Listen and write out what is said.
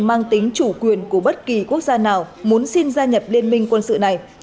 mang tính chủ quyền của bất kỳ quốc gia nào muốn xin gia nhập liên minh quân sự này